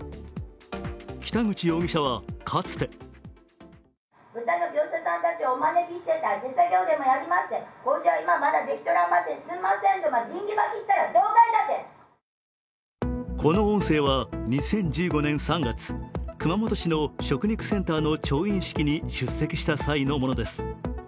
北口容疑者は、かつてこの音声は２０１５年３月、熊本市の食肉センターの調印式に出席した際のものです。